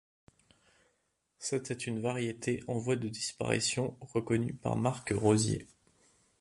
C'était une variété en voie de disparition reconnue par Marc Rozier.